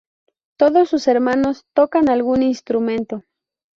Todos sus hermanos tocan algún instrumento.